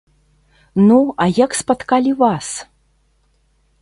Ну, а як спаткалі вас?